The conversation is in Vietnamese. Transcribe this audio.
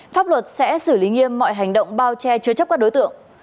pháp luật sẽ xử lý nghiêm mọi hành động bao che chứa chấp các đối tượng